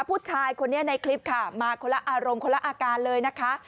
ผู้ชายคนนี้ในคลิปค่ะมาคนละอารมณ์คนละอาการเลยนะคะ